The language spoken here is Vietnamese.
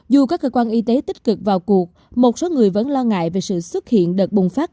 dù các cơ quan y tế tích cực vào cuộc một số người vẫn lo ngại về sự xuất hiện đợt bùng phát